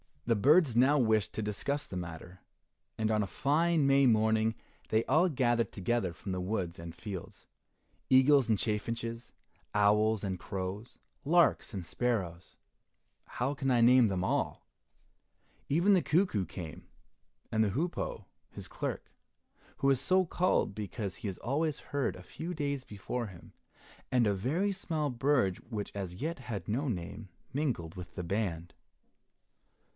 The birds now wished to discuss the matter, and on a fine May morning they all gathered together from the woods and fields: eagles and chaffinches, owls and crows, larks and sparrows, how can I name them all? Even the cuckoo came, and the hoopoe, his clerk, who is so called because he is always heard a few days before him, and a very small bird which as yet had no name, mingled with the band.